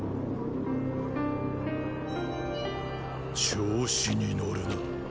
調子に乗るな。